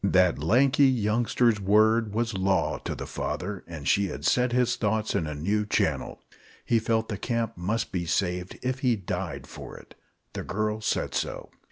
That lanky youngster's word was law to the father, and she had set his thoughts in a new channel. He felt the camp must be saved, if he died for it. The girl said so.